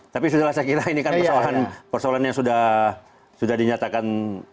tapi sudah lah saya kira ini kan persoalan yang sudah dinyatakan